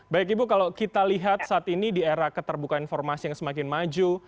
baik ibu kalau kita lihat saat ini di era keterbukaan informasi yang semakin maju